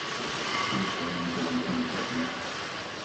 She was born in Xiangkhouang Province.